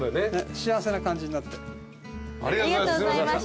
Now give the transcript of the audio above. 幸せな感じになって。